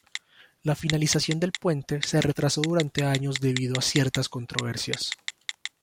La finalización del puente se retrasó durante años debido a ciertas controversias.